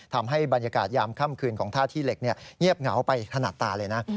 ทำให้บรรยากาศยามค่ำคืนของท่าขี้เหล็กเงียบเหงาไปขนาดตาเลยนะ